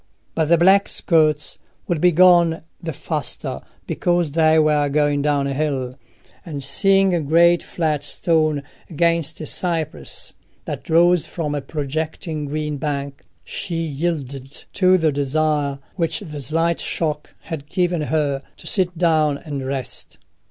But the black skirts would be gone the faster because they were going down hill; and seeing a great flat stone against a cypress that rose from a projecting green bank, she yielded to the desire which the slight shock had given her, to sit down and rest.